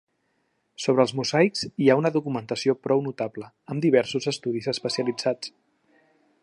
Sobre els mosaics hi ha una documentació prou notable, amb diversos estudis especialitzats.